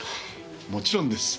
もちろんです。